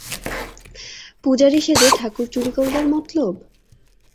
পূজারি সেজে ঠাকুর চুরি করবার মতলব?